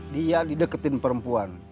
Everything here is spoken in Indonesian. dia dideketin perempuan